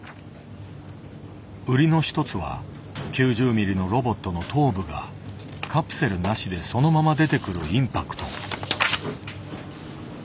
売りの一つは９０ミリのロボットの頭部がカプセルなしでそのまま出てくるインパクト。